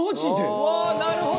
「うわーなるほど！」